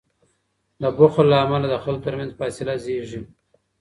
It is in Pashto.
د بخل له امله د خلکو تر منځ فاصله زیږیږي.